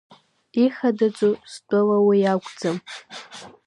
Ихадаӡоу, стәала, уи акәӡам…